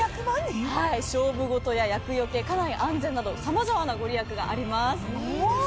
勝負事や厄よけ、家内安全などさまざまな御利益があります。